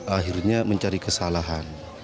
akhirnya mencari kesalahan